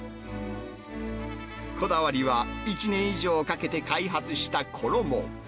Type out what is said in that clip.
こだわりは、１年以上かけて開発した衣。